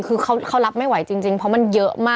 คือเขารับไม่ไหวจริงเพราะมันเยอะมาก